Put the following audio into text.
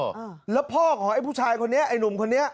แล้วจะพ่อของไอ้ผู้ชายไอ้หนุ่ม